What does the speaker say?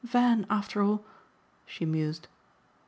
Van, after all !" she mused.